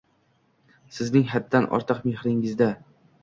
Sizning haddan ortiq mehringizda